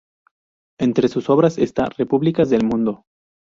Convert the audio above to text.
Entre sus obras está "Repúblicas del mundo".